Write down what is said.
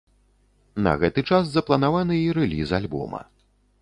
На гэты час запланаваны і рэліз альбома.